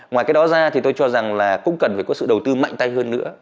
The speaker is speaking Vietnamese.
ngoài cái đó ra thì tôi cho rằng là cũng cần phải có sự đầu tư mạnh tay hơn nữa